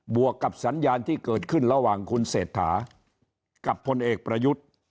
วกกับสัญญาณที่เกิดขึ้นระหว่างคุณเศรษฐากับพลเอกประยุทธ์